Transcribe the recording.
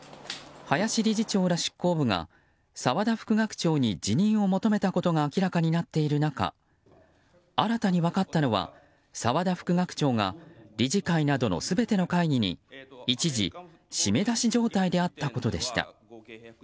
林理事長ら執行部が沢田副学長に辞任を求めたことが明らかになっている中新たに分かったのは沢田副学長が理事会などの全ての会議に一時、締め出し状態であったことでした。